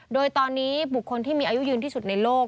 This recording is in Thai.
โดยตอนนี้บุคคลที่มีอายุยืนที่สุดในโลก